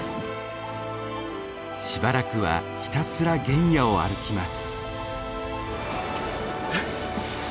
しばらくはひたすら原野を歩きます。